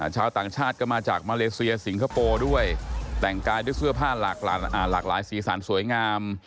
ชาวต่างชาติก็มาจากมาเลเซียสิงคโปร์ด้วยแต่งกายด้วยเสื้อผ้าหลากหลายสีสันสวยงาม